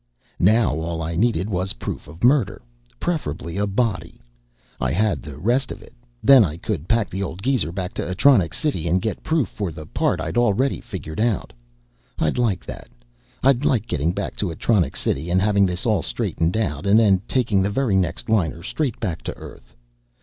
Now, all I needed was proof of murder. Preferably a body. I had the rest of it. Then I could pack the old geezer back to Atronics City and get proof for the part I'd already figured out. I'd like that. I'd like getting back to Atronics City, and having this all straightened out, and then taking the very next liner straight back to Earth.